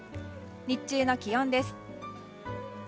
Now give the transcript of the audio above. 日中の気温です。